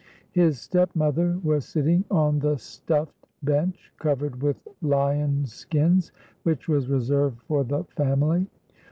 His stepmother was sitting on the stuffed bench cov ered with Uon skins which was reserved for the family.